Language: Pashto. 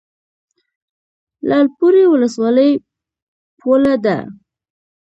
لعل پورې ولسوالۍ پوله ده؟